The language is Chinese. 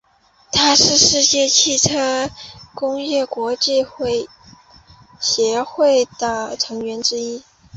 它是世界汽车工业国际协会的成员之一。